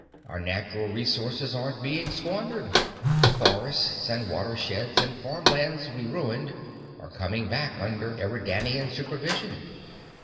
Our natural resources aren't being squandered. The forests and watersheds and farmlands we ruined are coming back under Eridanian supervision."